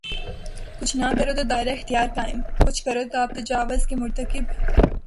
کچھ نہ کرو تو دائرہ اختیار قائم‘ کچھ کرو تو آپ تجاوز کے مرتکب۔